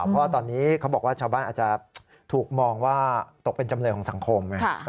เพราะว่าตอนนี้เขาบอกว่าชาวบ้านอาจจะถูกมองว่าตกเป็นจำเลยของสังคมไง